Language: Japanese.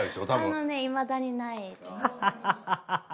あのねいまだにない。